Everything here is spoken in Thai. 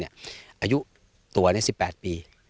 อายุตัว๑๘ปี